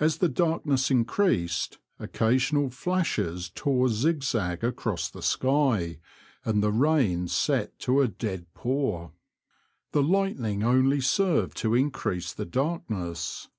As the darkness increased, occasional flashes tore zig zag across the sky, and the rain set to a dead pour. The lightning only served to increase the darkness.